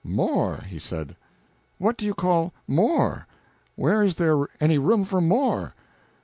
"More?" he said. "What do you call more? Where's there any room for more?"